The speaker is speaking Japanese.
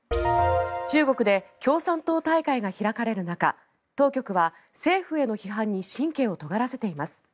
中国で共産党大会が開かれる中当局は政府への批判に神経をとがらせています。